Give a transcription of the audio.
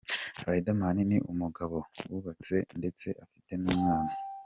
Riderman ni umugabo wubatse ndetse afite n’umwana.